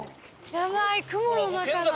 やばい、雲の中だ。